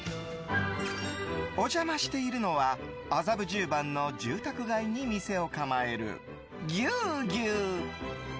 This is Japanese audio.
お邪魔しているのは麻布十番の住宅街に店を構える牛牛。